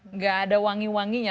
nggak ada wangi wanginya